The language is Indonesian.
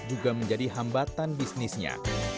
juga menjadi hambatan bisnisnya